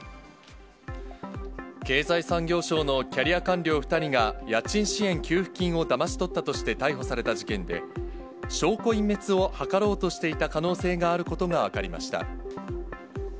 経済産業省のキャリア官僚２人が、家賃支援給付金をだまし取ったとして逮捕された事件で、証拠隠滅を図ろうとしていた可能性があることが分かりました。